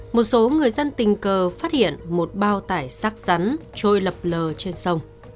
một số người dân tình cờ phát hiện một bao tải sắc rắn trôi lập lờ trên sông